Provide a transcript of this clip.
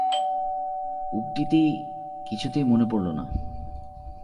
উক্তিটি কিছুতেই মনে পড়ল না।